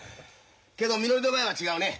けどみのりの場合は違うね。